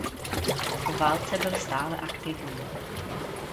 Po válce byl stále aktivní.